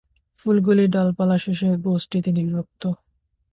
ফুলগুলি ডালপালা শেষে গোষ্ঠীতে বিভক্ত।